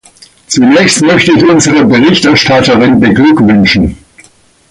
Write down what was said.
Zunächst möchte ich unsere Berichterstatterin beglückwünschen.